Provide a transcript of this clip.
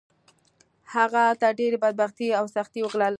هغه هلته ډېرې بدبختۍ او سختۍ وګاللې